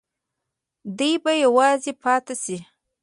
دی به یوازې پاتې شي.